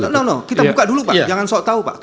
nono kita buka dulu pak jangan sok tahu pak